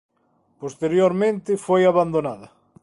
Posteriormente foi abandonada.